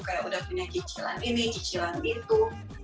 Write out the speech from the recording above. kayak udah punya cicilan ini cicilan gitu